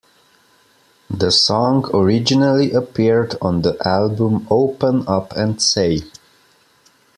The song originally appeared on the album Open Up and Say...